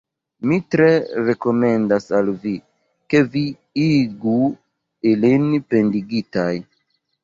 Mi tre rekomendas al vi, ke vi igu ilin pendigitaj.